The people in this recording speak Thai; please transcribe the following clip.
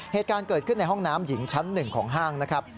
เหตุการณ์เกิดขึ้นในห้องน้ำหญิงชั้น๑ของห้างนะครับ